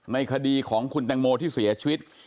คดีของคุณแตงโมที่เสียชีวิต